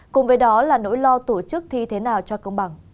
cùng với đó là nỗi lo tổ chức thi thế nào cho công bằng